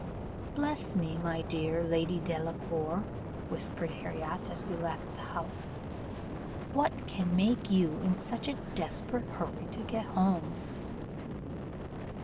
'Bless me, my dear Lady Delacour,' whispered Harriot, as we left this house, 'what can make you in such a desperate hurry to get home?